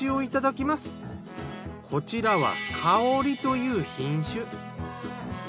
こちらはかおりという品種。